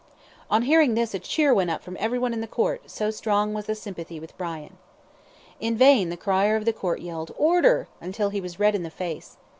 On hearing this a cheer went up from everyone in the court, so strong was the sympathy with Brian. In vain the crier of the Court yelled, "Order!" until he was red in the face.